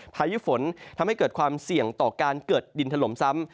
พายุฝนทำให้เกิดความเสี่ยงต่อการเกิดดินถล่มซ้ำ